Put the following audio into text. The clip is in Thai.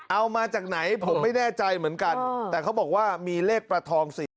เอามาจากไหนผมไม่แน่ใจเหมือนกันแต่เขาบอกว่ามีเลขประทองสี่